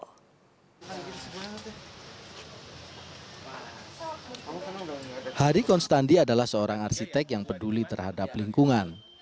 hari konstandi adalah seorang arsitek yang peduli terhadap lingkungan